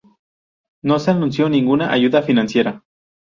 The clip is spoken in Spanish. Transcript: No se anunció ninguna ayuda financiera.